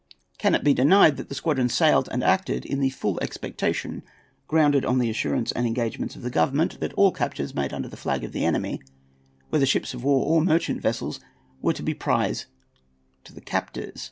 Can it be denied that the squadron sailed and acted in the full expectation, grounded on the assurance and engagements of the Government, that all captures made under the flag of the enemy, whether ships of war or merchant vessels, were to be prize to the captors?